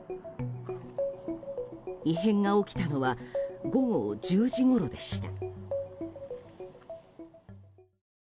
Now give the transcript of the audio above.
異変が起きたのは午後１０時ごろでした。